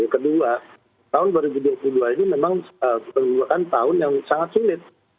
kedua tahun dua ribu dua puluh dua ini memang perlukan tahun yang sangat sulit